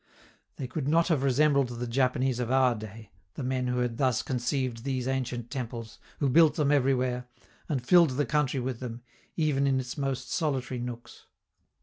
They could not have resembled the Japanese of our day, the men who had thus conceived these ancient temples, who built them everywhere, and filled the country with them, even in its most solitary nooks.